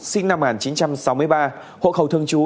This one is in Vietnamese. sinh năm một nghìn chín trăm sáu mươi ba hộ khẩu thường trú